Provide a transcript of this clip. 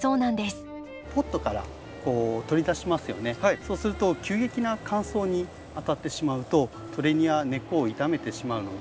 そうすると急激な乾燥に当たってしまうとトレニアは根っこを傷めてしまうので。